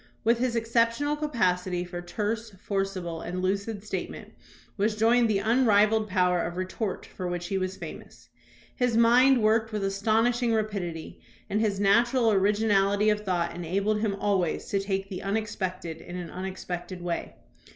With his exceptional capacity for terse, forcible, and lucid statement was joined the unrivalled power of re tort for which he was famous. His mind worked with astonishing rapidity, and his natural originality of thought enabled him always to take the unexpected in an unexpected way.